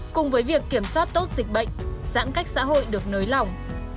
cùng với việc kiểm soát tốt dịch bệnh giãn cách xã hội được nới lỏng